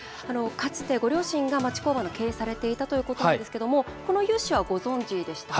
かつて、ご両親が町工場の経営をされていたということなんですけどもこの融資は、ご存じでした？